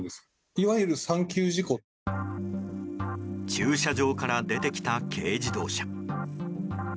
駐車場から出てきた軽自動車。